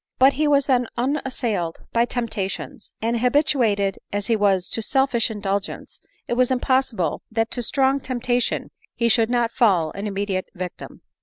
But he, was then unassailed by temptations ; and habituated as he was to selfish indulgence, it was impossible that to strong temptation he should not fall an immediate victim.